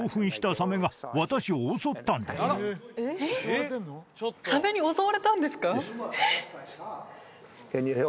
サメに襲われたんですか？